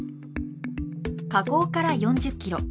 河口から４０キロ。